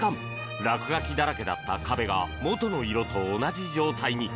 落書きだらけだった壁が元の色と同じ状態に。